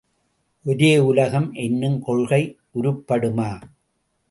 ஒரே உலகம் என்னும் கொள்கை உருப்படுமா?